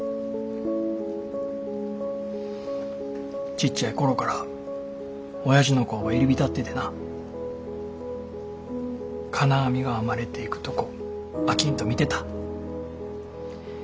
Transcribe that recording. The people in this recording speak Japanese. ちっちゃい頃からおやじの工場入り浸っててな金網が編まれていくとこ飽きんと見てた。